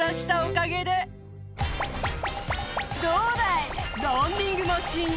「どうだい！」